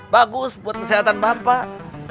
bagus buat kesehatan bapak